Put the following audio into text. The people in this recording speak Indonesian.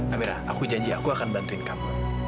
amera aku janji aku akan bantuin kamu